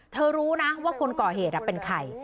รู้นะว่าคนก่อเหตุเป็นใคร